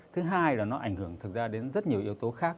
thứ hai là nó ảnh hưởng thực ra đến rất nhiều yếu tố khác